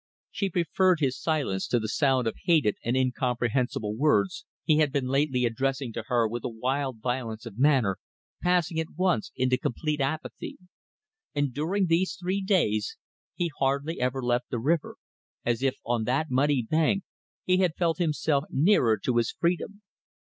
She preferred his silence to the sound of hated and incomprehensible words he had been lately addressing to her with a wild violence of manner, passing at once into complete apathy. And during these three days he hardly ever left the river, as if on that muddy bank he had felt himself nearer to his freedom.